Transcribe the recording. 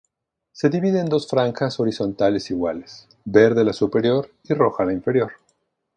Se divide en dos franjas horizontales iguales, verde la superior y roja la inferior.